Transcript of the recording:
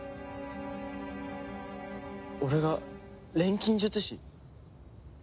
俺が錬金術師？